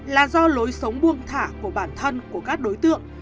là do lối sống buông thả của bản thân của các đối tượng